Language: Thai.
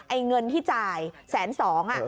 เงินที่จ่ายแสนสอง